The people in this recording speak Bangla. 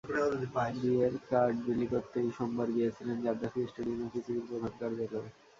বিয়ের কার্ড বিলি করতেই সোমবার গিয়েছিলেন গাদ্দাফি স্টেডিয়ামে পিসিবির প্রধান কার্যালয়ে।